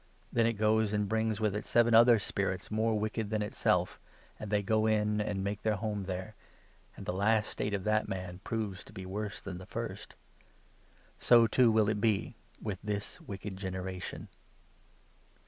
Then it goes and brings with it seven other spirits more 45 wicked than itself, and they go in, and make their home there ; and the last state of that man proves to be worse than the first. So, too, will it be with this wicked generation."